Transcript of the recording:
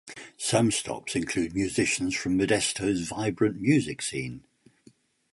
Some stops include musicians from Modesto's vibrant music scene.